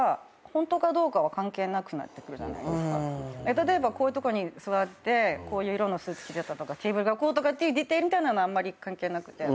例えばこういうとこに座ってこういう色のスーツ着てたとかテーブルがこうとかっていうディティールみたいなのはあんまり関係なくて。